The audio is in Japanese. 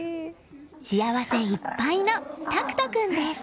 幸せいっぱいの、舵久斗君です。